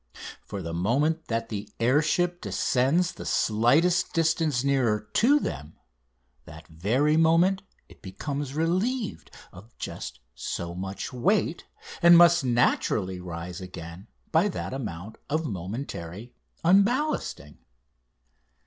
For the moment that the air ship descends the slightest distance nearer to them that very moment it becomes relieved of just so much weight, and must naturally rise again by that amount of momentary unballasting.